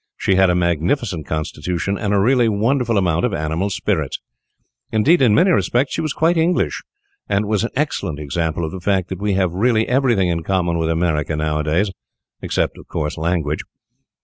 She had a magnificent constitution, and a really wonderful amount of animal spirits. Indeed, in many respects, she was quite English, and was an excellent example of the fact that we have really everything in common with America nowadays, except, of course, language.